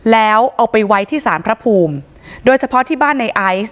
แล้วเอาไปไว้ที่สารพระภูมิโดยเฉพาะที่บ้านในไอซ์